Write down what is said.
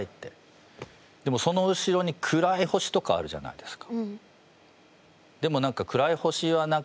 でもその後ろに暗い星とかあるじゃないですか。